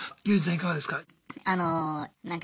いかがですか？